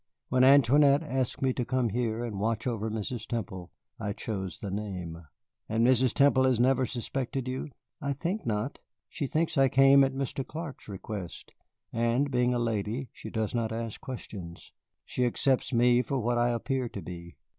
"When Antoinette asked me to come here and watch over Mrs. Temple, I chose the name." "And Mrs. Temple has never suspected you?" "I think not. She thinks I came at Mr. Clark's request. And being a lady, she does not ask questions. She accepts me for what I appear to be."